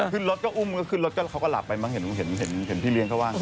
ขึ้นรถก็อุ้มก็ขึ้นรถก็เขาก็หลับไปมั้งเห็นพี่เลี้ยงเขาว่าไง